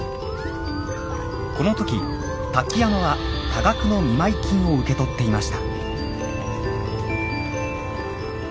この時瀧山は多額の見舞い金を受け取っていました。